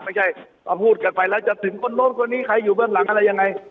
ไม่ใช่เราพูดกันไปแล้วจะถึงคนโน้นคนนี้ใครอยู่เบื้องหลังอะไรยังไง